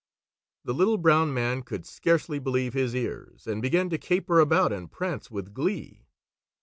The Little Brown Man could scarcely believe his ears and began to caper about and prance with glee.